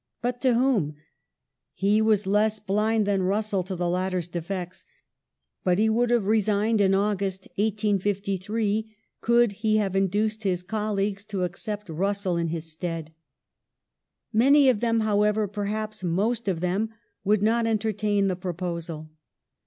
But to whom ? He was less blind than Russell to the latter's defects, but he would have resigned in August, 1853, could he have induced his colleagues to accept Russell in his stead. Many of them, however, perhaps most of them, would not entertain the proposal.